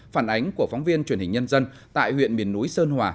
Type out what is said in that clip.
phản ánh của phóng viên truyền hình nhân dân tại huyện miền núi sơn hòa